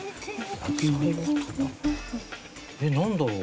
えっなんだろう？